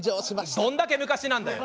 どんだけ昔なんだよ！